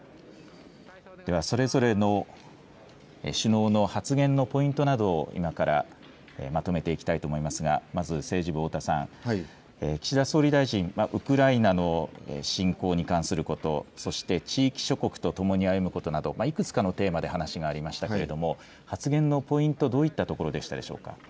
では、それぞれの首脳の発言のポイントなどを今からまとめていきたいと思いますが、まず政治部、太田さん、岸田総理大臣、ウクライナの侵攻に関すること、そして地域諸国と共に歩むことなど、いくつかのテーマで話がありましたけれども、発言のポイント、どういったところでしたでしょう